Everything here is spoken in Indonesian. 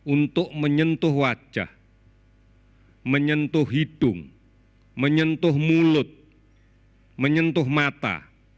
untuk menyentuh wajah menyentuh hidung menyentuh mulut menyentuh mata